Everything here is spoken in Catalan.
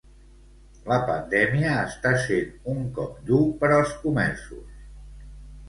La pandèmia està sent un cop dur per als comerços.